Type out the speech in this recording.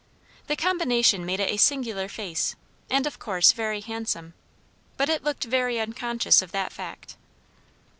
The combination made it a singular face, and of course very handsome. But it looked very unconscious of that fact.